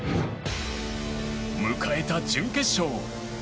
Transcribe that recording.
迎えた準決勝。